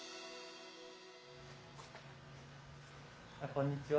こんにちは。